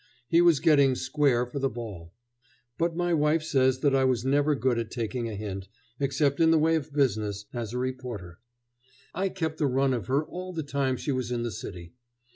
He was getting square for the ball. But my wife says that I was never good at taking a hint, except in the way of business, as a reporter. I kept the run of her all the time she was in the city.